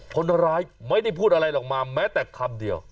คนร้ายไม่ได้พูดอะไรออกมาแม้แต่คำเดียว